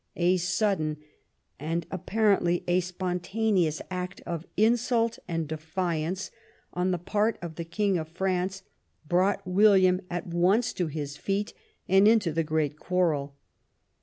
A sudden and apparently a spon taneous act of insult and defiance on the part of the King of France brought William at once to his feet and into the great quarrel.